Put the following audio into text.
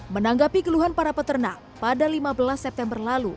menanggapi keluhan para peternak pada lima belas september lalu